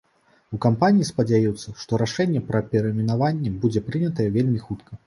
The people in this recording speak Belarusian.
У кампаніі спадзяюцца, што рашэнне пра перайменаванне будзе прынятае вельмі хутка.